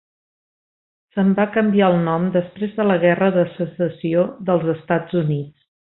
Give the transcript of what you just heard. Se'n va canviar el nom després de la Guerra de secessió dels Estats Units.